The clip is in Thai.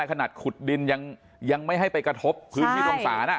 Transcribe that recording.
ขนาดขุดดินยังไม่ให้ไปกระทบพื้นที่ตรงศาล